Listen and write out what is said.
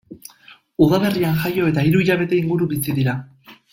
Udaberrian jaio eta hiru hilabete inguru bizi dira.